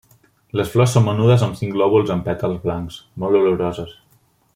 Les flors són menudes amb cinc lòbuls amb pètals blancs, molt oloroses.